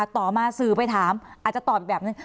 ต่อมาสื่อไปถามอาจจะตอบอีกแบบนึง